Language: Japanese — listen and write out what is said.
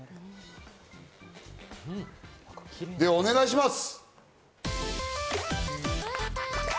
では、お願いします！